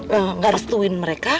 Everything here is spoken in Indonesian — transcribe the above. gak harus tuin mereka